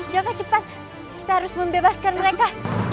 jangka cepat kita harus membebaskan mereka